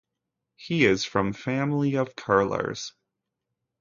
He is from family of curlers.